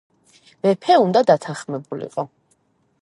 მეფე უნდა დათანხმებულიყო.